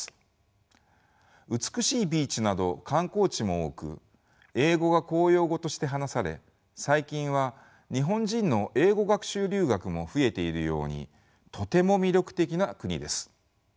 美しいビーチなど観光地も多く英語が公用語として話され最近は日本人の英語学習留学も増えているようにとても魅力的な国です。